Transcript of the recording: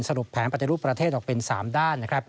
แผนปฏิรูปประเทศออกเป็น๓ด้าน